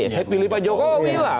saya pilih pak jokowi lah